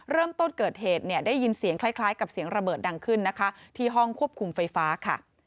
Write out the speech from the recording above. เริ่มต้นเกิดเหตุเนี่ยได้ยินเสียงคล้ายกับเสียงระเบิดดังขึ้นนะคะที่ห้องควบคุมไฟฟ้าค่ะ